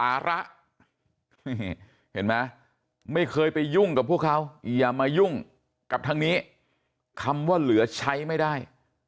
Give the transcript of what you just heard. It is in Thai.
เห็นไหมไม่เคยไปยุ่งกับพวกเขาอย่ามายุ่งกับทางนี้คำว่าเหลือใช้ไม่ได้